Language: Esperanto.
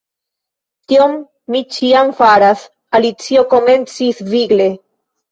"Tion mi ĉiam faras," Alicio komencis vigle.